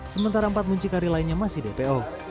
sementara empat muncikari lainnya masih dpo